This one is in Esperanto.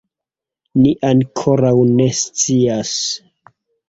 Ni ankoraŭ ne scias